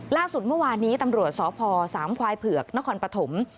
ล่าสุดเมื่อวานนี้ตำรวจสพสามควายเผือกนครปฐม